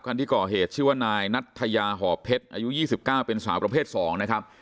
คันที่ก่อเหตุชื่อว่านายนัทยาหอบเพชรอายุ๒๙เป็นสาวประเภท๒นะครับ